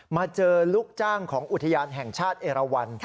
มาเจอลูกจ้างของอุทยานแห่งชาติเอราวัน